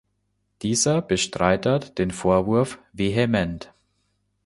Dieser bestreitet den Vorwurf vehement.